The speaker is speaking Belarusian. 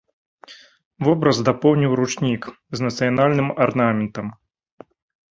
Вобраз дапоўніў ручнік з нацыянальным арнаментам.